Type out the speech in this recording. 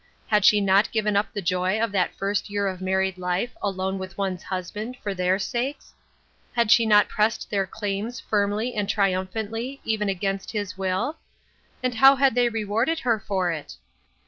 Had she not given up the joy of that first year of married life alone with one's husband, for their sakes ? Had she not pressed their claims firmly and tri umphantly, even against his will ? And how had they rewarded her for it